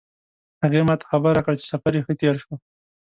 هغې ما ته خبر راکړ چې سفر یې ښه تیر شو